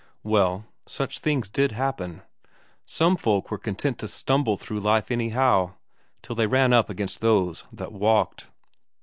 Well, such things did happen; some folk were content to stumble through life anyhow, till they ran up against those that walked.